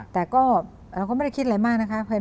แต่ก็เราก็ไม่ได้คิดอะไรมากนะคะ